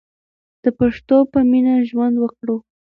د پښتو په مینه ژوند وکړو.